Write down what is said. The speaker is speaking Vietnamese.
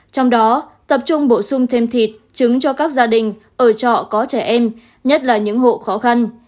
trong đó tập trung bổ sung thêm thịt trứng cho các gia đình ở trọ có trẻ em nhất là những hộ khó khăn